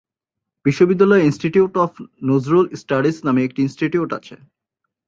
বিশ্ববিদ্যালয়ে 'institute of Nazrul studies' নামে একটি ইন্সটিটিউট আছে।